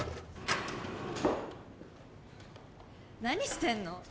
何してんの？